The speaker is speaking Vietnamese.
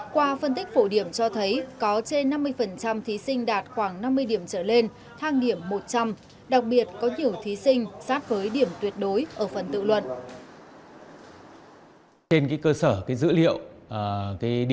qua phân tích phổ điểm cho thấy có trên năm mươi thí sinh đạt khoảng năm mươi điểm trở lên thang nghiệm một trăm linh đặc biệt có nhiều thí sinh sát với điểm tuyệt đối ở phần tự luận